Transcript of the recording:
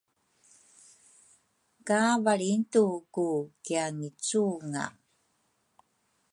ka valringtuku kiangicunga.